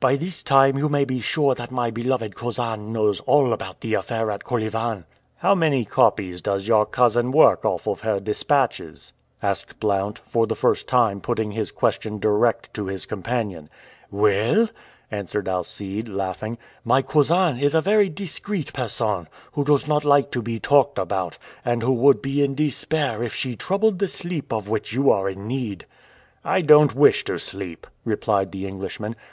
"By this time you may be sure that my beloved cousin knows all about the affair at Kolyvan." "How many copies does your cousin work off of her dispatches?" asked Blount, for the first time putting his question direct to his companion. "Well," answered Alcide, laughing, "my cousin is a very discreet person, who does not like to be talked about, and who would be in despair if she troubled the sleep of which you are in need." "I don't wish to sleep," replied the Englishman.